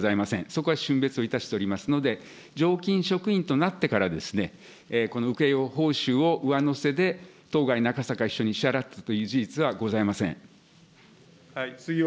そこはしゅん別をいたしておりますので、常勤職員となってから、この請け負い報酬を上乗せで、当該中坂秘書に支払ったという事実はございません。